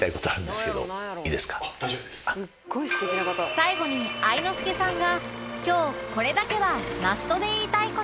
最後に愛之助さんが今日これだけはマストで言いたい事